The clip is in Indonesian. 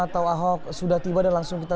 atau ahok sudah tiba dan langsung kita